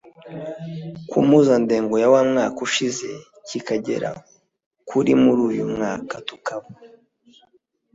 ku mpuzandengo ya mu mwaka ushize kikagera kuri muri uyu mwaka tukaba